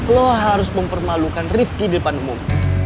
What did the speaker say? lo harus mempermalukan rifki di depan umum